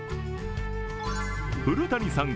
古谷さん